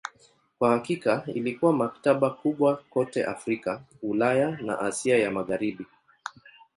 Kwa hakika ilikuwa maktaba kubwa kote Afrika, Ulaya na Asia ya Magharibi.